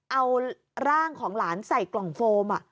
เอาร่างของหลานใส่กล่องโฟม